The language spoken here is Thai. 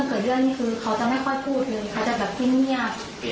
คือน้องมีอาจรรย์เหรอ